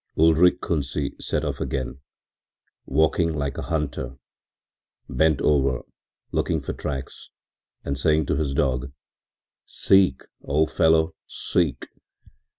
Ulrich Kunsi set off again, walking like a hunter, bent over, looking for tracks, and saying to his dog: “Seek, old fellow, seek!